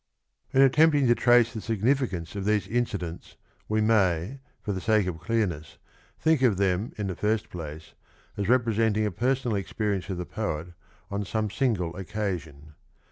In attempting to trace the significance of these incidents we may, for the sake of clearness, think of them 1 Letter of 10th May, 1817. 76 in the first place as representing a personal experience of the poet on some single occasion.